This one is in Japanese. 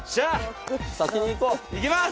いきます！